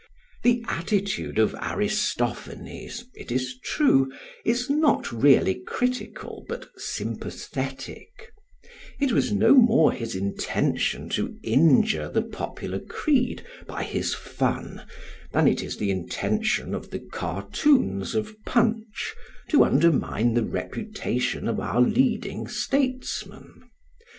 The attitude of Aristophanes, it is true, is not really critical, but sympathetic; it was no more his intention to injure the popular creed by his fun than it is the intention of the cartoons of Punch to undermine the reputation of our leading statesmen.